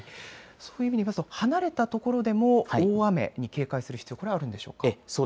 そういう意味で言いますと離れたところでも大雨に警戒する必要これ、あるんでしょうか。